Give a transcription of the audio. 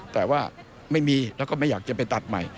แต่ว่าไม่มีแล้วก็ไม่อยากจะไปตัดใหม่